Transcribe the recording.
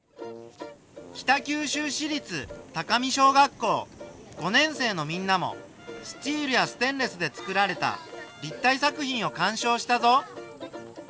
北九州市立高見小学校５年生のみんなもスチールやステンレスでつくられた立体作品をかんしょうしたぞ。